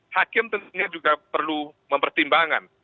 hakim tentunya juga perlu mempertimbangkan